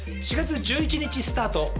４月１１日スタート